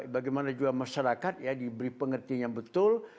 bagaimana juga masyarakat ya diberi pengertian yang betul